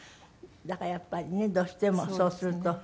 だからやっぱりねどうしてもそうすると。